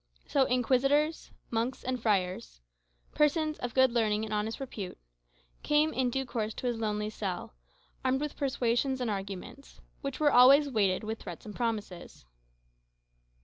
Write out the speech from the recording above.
So Inquisitors, monks, and friars "persons of good learning and honest repute" came in due course to his lonely cell, armed with persuasions and arguments, which were always weighted with threats and promises.